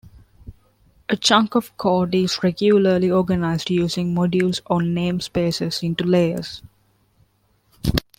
A chunk of code is regularly organized using modules or namespaces into layers.